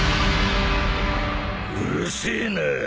うるせえな！